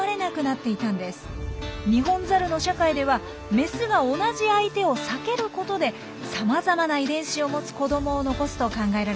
ニホンザルの社会ではメスが同じ相手を避けることでさまざまな遺伝子を持つ子どもを残すと考えられています。